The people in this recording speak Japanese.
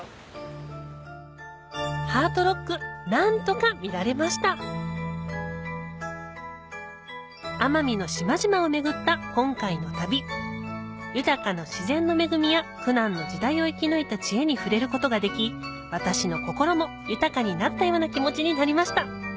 ハートロック何とか見られました奄美の島々を巡った今回の旅豊かな自然の恵みや苦難の時代を生き抜いた知恵に触れることができ私の心も豊かになったような気持ちになりました